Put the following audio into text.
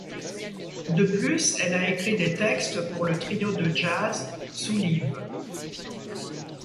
De plus, elle a écrit des textes pour le trio de jazz Soulive.